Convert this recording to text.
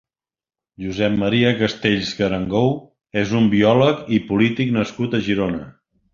Josep Maria Castells Garangou és un biòleg i polític nascut a Girona.